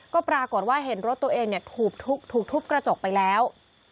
ก็ปรากฏว่าเห็นรถตัวเองถูกทุบกระจกไปแล้ว